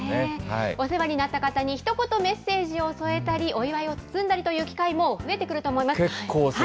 お世話になった方にひと言メッセージを添えたり、お祝いを包んだりという機会も増えてくると思います。